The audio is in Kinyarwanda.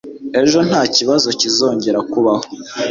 Ejo, ntakibazo kizongera kubaho.